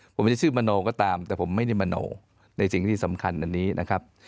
ผมจะชื่อมโนก็ตามแต่ผมไม่ได้มโนในสิ่งที่สำคัญอันนี้นะครับ